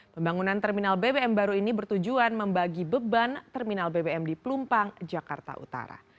pembangunan terminal bbm baru ini bertujuan membagi beban terminal bbm di pelumpang jakarta utara